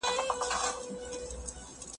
نه رڼې اوښکې زغملای شم